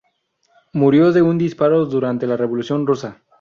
Murió de un disparo durante la Revolución rusa.